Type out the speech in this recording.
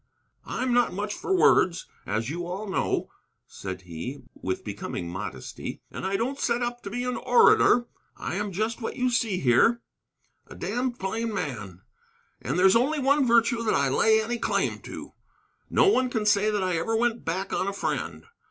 "I'm not much for words, as you all know," said he, with becoming modesty, "and I don't set up to be an orator. I am just what you see here, a damned plain man. And there's only one virtue that I lay any claim to, no one can say that I ever went back on a friend.